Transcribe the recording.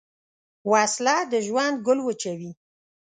وسله د ژوند ګل وچوي